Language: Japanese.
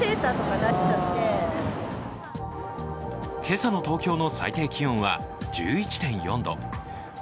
今朝の東京の最低気温は１１．４度。